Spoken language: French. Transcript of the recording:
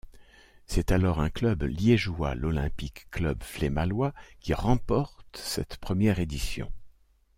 C'est alors un club liégeois, l'Olympic Club Flémallois, qui remporte cette première édition.